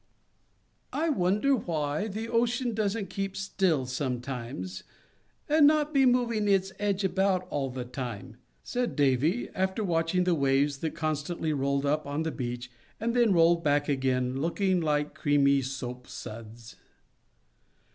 "I wonder why the ocean doesn't keep still sometimes, and not be moving its edge about all the time," said Davy, after watching the waves that constantly rolled up on the beach and then rolled back again, looking like creamy soap suds.